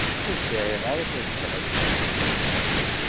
Ur sɛiɣ ara tazmert.